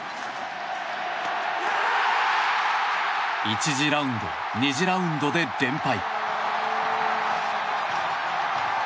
１次ラウンド、２次ラウンドで連敗。